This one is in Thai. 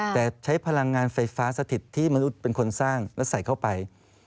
แต่ใช้พลังงานไฟฟ้าสถิตที่มนุษย์เป็นคนสร้างและใส่เข้าไป